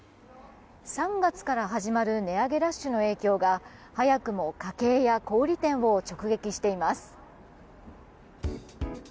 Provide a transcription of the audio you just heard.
３月から始まる値上げラッシュの影響が早くも家計や小売店を直撃しています。